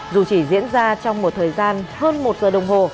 dù chỉ diễn ra trong một thời gian hơn một giờ đồng hồ